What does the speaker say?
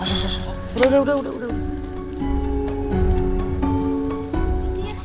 udah udah udah